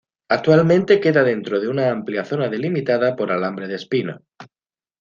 Actualmente queda dentro de una amplia zona delimitada por alambre de espino.